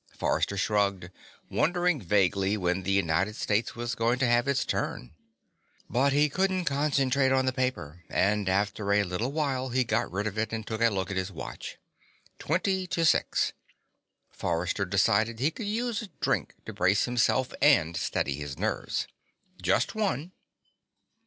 Forrester shrugged, wondering vaguely when the United States was going to have its turn. But he couldn't concentrate on the paper and, after a little while, he got rid of it and took a look at his watch. Twenty to six. Forrester decided he could use a drink to brace himself and steady his nerves. Just one.